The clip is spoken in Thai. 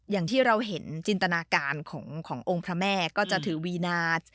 อย่างที่เราเห็นจินตนาการขององค์พระแม่ก็จะถือวีนา